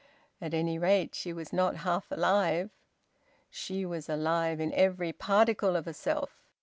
At any rate she was not half alive; she was alive in every particle of herself.